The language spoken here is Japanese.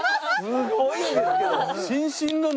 すごいんですけど！